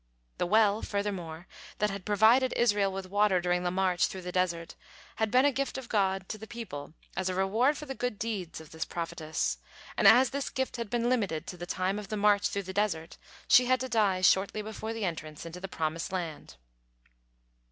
The well, furthermore, that had provided Israel with water during the march through the desert, had been a gift of God to the people as a reward for the good deeds of this prophetess, and as this gift had been limited to the time of the march through the desert, she had to die shortly before the entrance into the promised land.